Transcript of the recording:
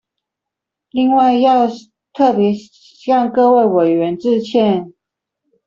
另外要特別向各位委員致歉